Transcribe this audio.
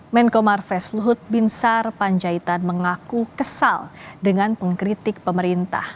menko marves luhut binsar panjaitan mengaku kesal dengan pengkritik pemerintah